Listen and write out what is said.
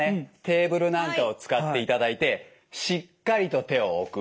テーブルなんかを使っていただいてしっかりと手を置く。